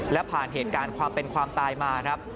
และผ่านเหตุการณ์ความเป็นความตายมาครับ